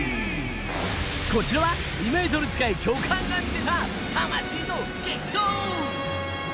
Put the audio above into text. こちらは２メートル近い巨漢が見せた魂の激走。